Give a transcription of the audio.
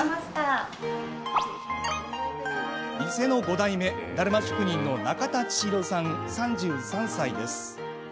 店の５代目、だるま職人の中田千尋さん、３３歳です。